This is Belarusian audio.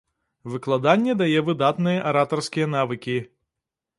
Выкладанне дае выдатныя аратарскія навыкі.